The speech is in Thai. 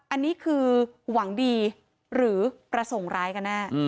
อันนี้คือหวังดีหรือประสงค์ร้ายกันแน่